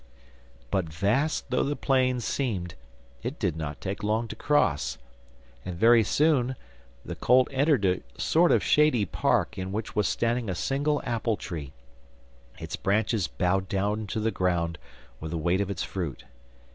But vast through the plain seemed, it did not take long to cross, and very soon the colt entered a sort of shady park in which was standing a single apple tree, its branches bowed down to the ground with the weight of its fruit.